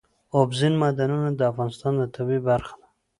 اوبزین معدنونه د افغانستان د طبیعت برخه ده.